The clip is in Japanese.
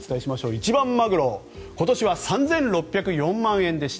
一番マグロ今年は３６０４万円でした。